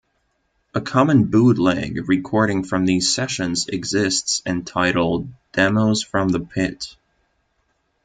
A common bootleg recording from these sessions exists entitled "Demos from the Pit".